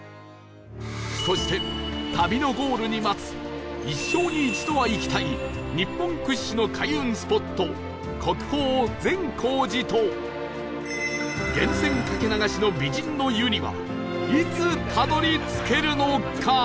そして旅のゴールに待つ一生に一度は行きたい日本屈指の開運スポット国宝善光寺と源泉かけ流しの美人の湯にはいつたどり着けるのか？